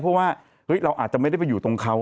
เพราะว่าเราอาจจะไม่ได้ไปอยู่ตรงเขา